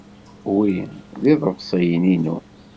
Wi d iḍebsiyen-inu.